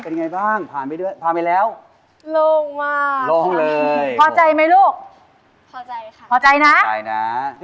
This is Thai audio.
เดี่ยวช่วยงั้น